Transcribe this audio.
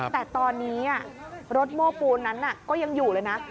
แต่ตอนนี้รถโม้ปูนนั้นก็ยังอยู่เลยนะ